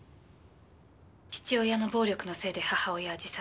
父親の暴力のせいで母親は自殺。